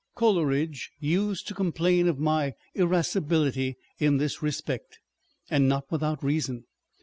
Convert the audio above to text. Coleridge used to complain of my irasci bility in this respect, and not without reason.